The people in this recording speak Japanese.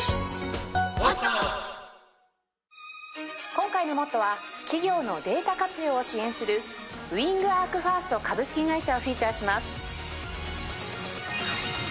今回の『ＭＯＴＴＯ！！』は企業のデータ活用を支援するウイングアーク１ｓｔ株式会社をフィーチャーします。